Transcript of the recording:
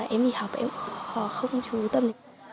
em đi học em cũng không chú tâm